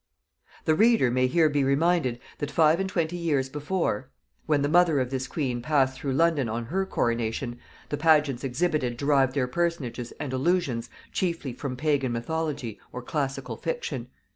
] The reader may here be reminded, that five and twenty years before, when the mother of this queen passed through London to her coronation, the pageants exhibited derived their personages and allusions chiefly from pagan mythology or classical fiction.